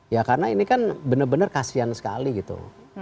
ya karena ini kan benar benar kasian sekali gitu